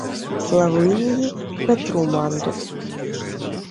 Лавинії к Петру мандрик